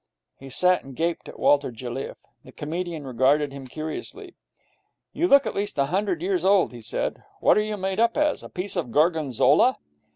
He sat and gaped at Walter Jelliffe. The comedian regarded him curiously. 'You look at least a hundred years old,' he said. 'What are you made up as? A piece of Gorgonzola?'